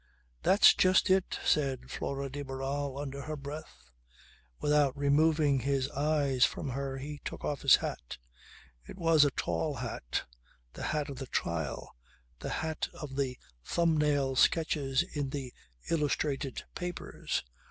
"That's just it," said Flora de Barral under her breath. Without removing his eyes from her he took off his hat. It was a tall hat. The hat of the trial. The hat of the thumb nail sketches in the illustrated papers.